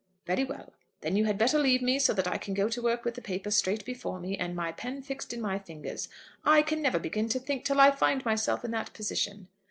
"Very well. Then you had better leave me, so that I can go to work with the paper straight before me, and my pen fixed in my fingers. I can never begin to think till I find myself in that position."